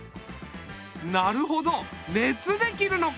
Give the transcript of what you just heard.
なるほど熱で切るのか！